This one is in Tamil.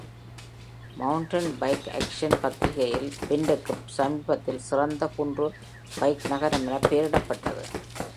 Mountain Bike Action பத்திரிகையில், பெண்ட்டுக்கு சமீபத்தில் சிறந்த குன்று பைக் நகரம் எனப் பெயரிடப்பட்டது.